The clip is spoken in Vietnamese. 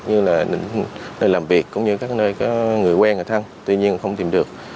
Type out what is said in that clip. như là nơi làm việc cũng như các nơi có người quen người thân tuy nhiên không tìm được